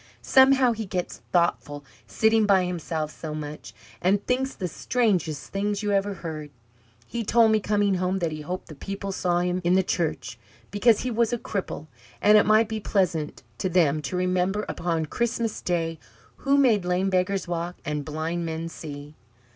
Somehow he gets thoughtful, sitting by himself so much, and thinks the strangest things you ever heard. He told me, coming home, that he hoped the people saw him in the church, because he was a cripple, and it might be pleasant to them to remember, upon Christmas Day, who made lame beggars walk, and blind men see."